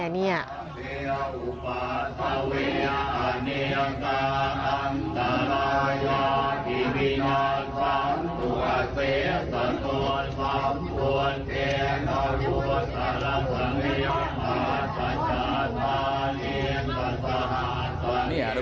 เนี่ย